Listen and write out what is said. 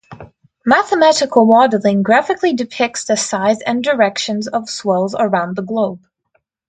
Mathematical modeling graphically depicts the size and direction of swells around the globe.